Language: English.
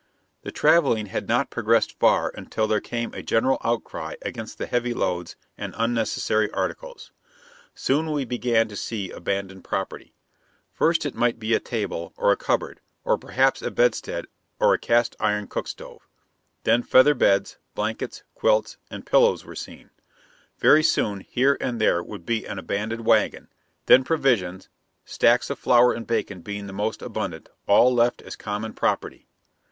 The traveling had not progressed far until there came a general outcry against the heavy loads and unnecessary articles. Soon we began to see abandoned property. First it might be a table or a cupboard, or perhaps a bedstead or a cast iron cookstove. Then feather beds, blankets, quilts, and pillows were seen. Very soon, here and there would be an abandoned wagon; then provisions, stacks of flour and bacon being the most abundant all left as common property.